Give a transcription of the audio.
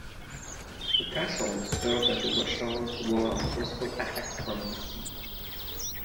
The castle served as a watchtower to warn of possible attacks from the sea.